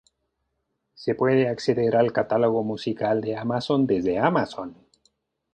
Se puede acceder al catálogo musical de Amazon desde Amazon.